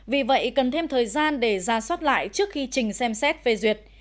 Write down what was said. vì vậy cần thêm thời gian để ra soát lại trước khi trình xem xét phê duyệt